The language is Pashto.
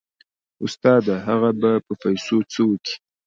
استاده هغه به په پيسو څه وكي.